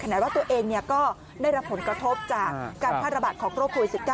ไหนว่าตัวเองก็ได้รับผลกระทบจากการแพร่ระบาดของโรคโควิด๑๙